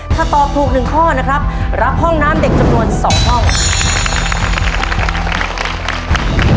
ถ้าตอบถูก๑ข้อนะครับรับห้องน้ำเด็กจำนวน๒ห้อง